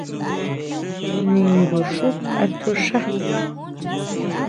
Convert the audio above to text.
¿Ningu xu katjuʼxaá?